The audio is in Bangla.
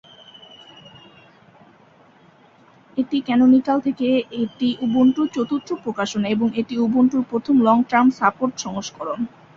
এটি ক্যানোনিকাল থেকে এটি উবুন্টুর চতুর্থ প্রকাশনা এবং এটি উবুন্টুর প্রথম লং টার্ম সাপোর্ট সংস্করণ।